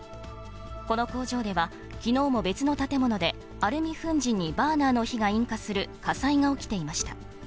この工場では、きのうも別の建物で、アルミ粉じんにバーナーの火が引火する火災が起きていました。